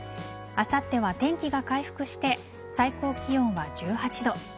あさっては天気が回復して最高気温は１８度。